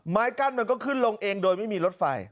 ไม้กั้นมันก็ขึ้นลงเองโดยไม่มีรถไฟ